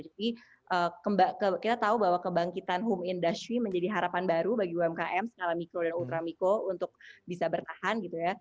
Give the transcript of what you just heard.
jadi kita tahu bahwa kebangkitan home industry menjadi harapan baru bagi umkm skala mikro dan ultra mikro untuk bisa bertahan gitu ya